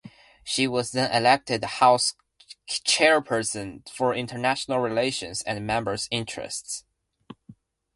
She was then elected House Chairperson for International Relations and Members Interests.